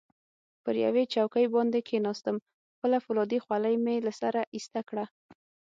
پر یوې چوکۍ باندې کښېناستم، خپله فولادي خولۍ مې له سره ایسته کړه.